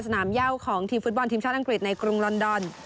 เน่าของทีมฟุตบอลทีมชาติอังกฤษในกรุงลอนดอน